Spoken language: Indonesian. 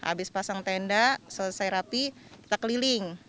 habis pasang tenda selesai rapi kita keliling